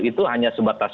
itu hanya sebatas